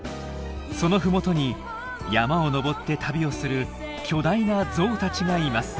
そのふもとに山を登って旅をする巨大なゾウたちがいます。